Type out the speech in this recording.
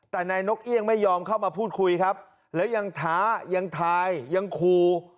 แต่นายนกเอี่ยงไม่ยอมเข้ามาพูดคุยครับแล้วยังท้ายังทายยังคู